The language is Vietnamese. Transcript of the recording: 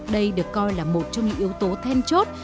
đây được coi là một trong những yếu tố then chốt